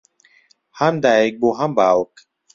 ھەم دایک بوو ھەم باوک